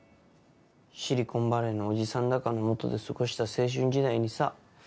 シリコンバレーの叔父さんだかの元で過ごした青春時代にさ。